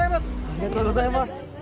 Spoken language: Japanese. ありがとうございます。